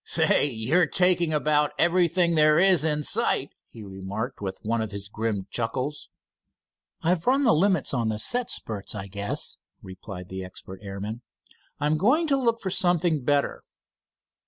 "Say, you're taking about everything there is in sight," he remarked, with one of his grim chuckles. "I've run the limit on the set spurts, I guess," replied the expert airman. "I'm going to look, for something better."